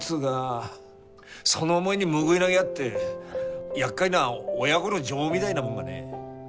その思いに報いなぎゃってやっかいな親子の情みたいなもんがね